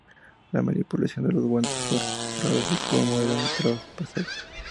La manipulación de los guantes forrados de plomo era un trabajo pesado.